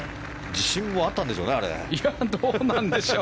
自信もあったんでしょうね。